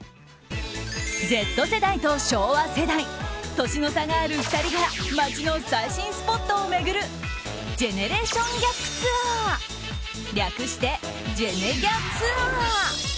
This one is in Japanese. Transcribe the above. Ｚ世代と昭和世代年の差がある２人が街の最新スポットを巡るジェネレーションギャップツアー略してジェネギャツア。